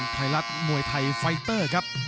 ไทยรัฐมวยไทยไฟเตอร์ครับ